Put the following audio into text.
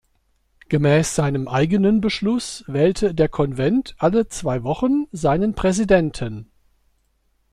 Gemäß seinem eigenen Beschluss wählte der Konvent alle zwei Wochen seinen Präsidenten.